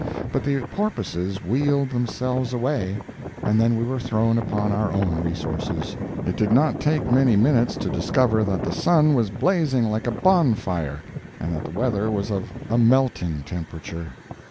But the porpoises wheeled themselves away, and then we were thrown upon our own resources. It did not take many minutes to discover that the sun was blazing like a bonfire, and that the weather was of a melting temperature.